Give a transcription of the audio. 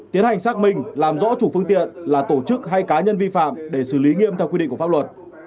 tiến hành xác minh làm rõ chủ phương tiện là tổ chức hay cá nhân vi phạm để xử lý nghiêm theo quy định của pháp luật